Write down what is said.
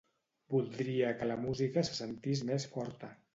Voldria que la música se sentís més forta.